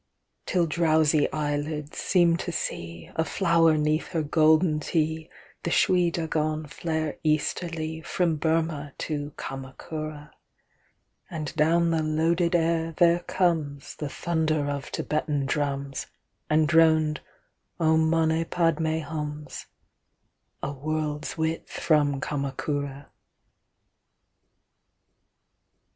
Till drowsy eyelids seem to seeA flower 'neath her golden hteeThe Shwe Dagon flare easterlyFrom Burmah to Kamakura, And down the loaded air there comesThe thunder of Thibetan drums, And droned—"Om mane padme hums"—A world's width from Kamakura.